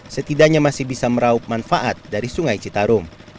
setidaknya masih bisa meraup manfaat dari sungai citarum